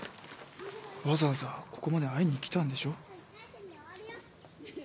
わざわざここまで会いに来たんでしょ。